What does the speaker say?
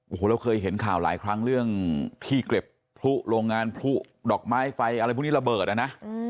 โอ้โหเราเคยเห็นข่าวหลายครั้งเรื่องที่เก็บพลุโรงงานพลุดอกไม้ไฟอะไรพวกนี้ระเบิดอ่ะนะ